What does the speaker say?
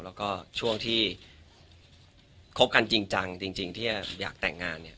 แล้วก็ช่วงที่คบกันจริงจังจริงที่อยากแต่งงานเนี่ย